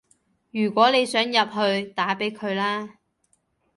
如果你想入去，打畀佢啦